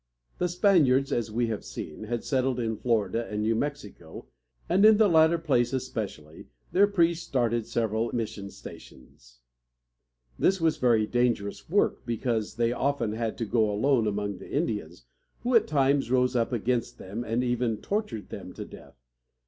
The Spaniards, as we have seen, had settled in Florida and New Mexico, and, in the latter place especially, their priests started several mission stations. This was very dangerous work, because they often had to go alone among the Indians, who at times rose up against them and even tortured them to death.